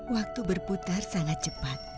waktu berputar sangat cepat